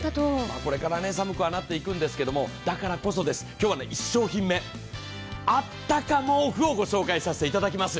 これから寒くはなっていくんですけれどもだからこそです、今日は１商品目、あったか毛布をご紹介させていただきます。